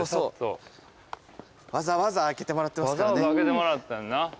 わざわざ開けてもらってますからね。